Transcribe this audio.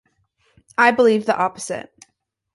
I believe the opposite.